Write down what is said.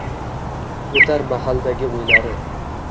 oʼtar mahaldagi oʼylari.